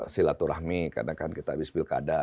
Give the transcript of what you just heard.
silaturahmi karena kan kita habis pilkada